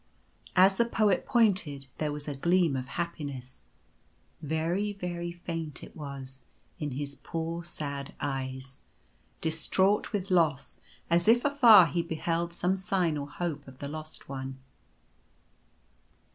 As the Poet pointed there was a gleam of happiness — very very faint it was — in his poor sad eyes, distraught with loss, as if afar he beheld some sign or hope of the Lost One.